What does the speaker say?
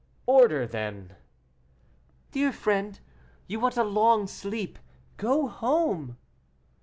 "Order, then." "Dear friend, you want a long sleep; go home."